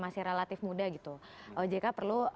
masih relatif muda gitu ojk perlu